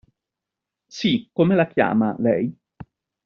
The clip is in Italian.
Sí, come la chiama, lei?